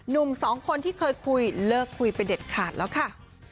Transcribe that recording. หนุ่มสองคนที่เคยคุยเลิกคุยไปเด็ดขาดแล้วค่ะ